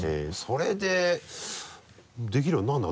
それでできるようになるの？